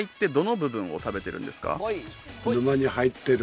沼に入ってる。